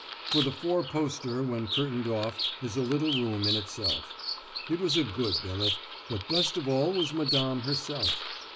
For the four poster, when curtained off, is a little room in itself. It was a good billet, but best of all was Madame herself.